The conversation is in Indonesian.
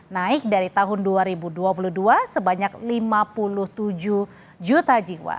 naik dari tahun dua ribu dua puluh dua sebanyak lima puluh tujuh juta jiwa